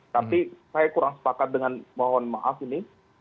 tapi saya kurang sepakat dengan mohon maaf ini